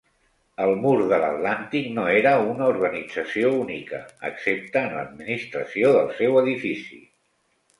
El Mur de l'Atlàntic no era una organització única, excepte en l'administració del seu edifici.